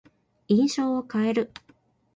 印象を変える。